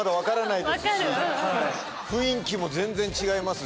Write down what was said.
雰囲気も全然違いますし。